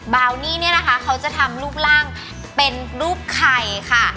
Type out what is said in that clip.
บาวนี่เนี่ยนะคะเขาจะทำรูปร่างเป็นรูปไข่ค่ะ